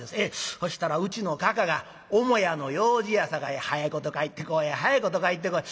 そしたらうちのかかが母屋の用事やさかい早いこと帰ってこい早いこと帰ってこい